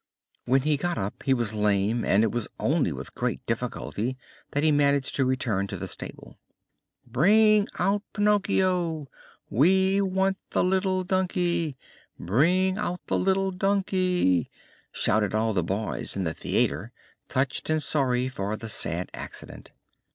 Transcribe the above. When he got up he was lame and it was only with great difficulty that he managed to return to the stable. "Bring out Pinocchio! We want the little donkey! Bring out the little donkey!" shouted all the boys in the theater, touched and sorry for the sad accident.